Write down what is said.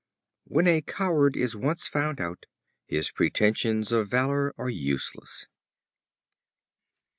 When a coward is once found out, his pretensions of valor are useless.